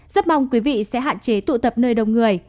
rất mong quý vị sẽ hạn chế tụ tập nơi đông người